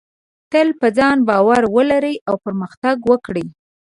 تل په ځان باور ولرئ او پرمختګ وکړئ.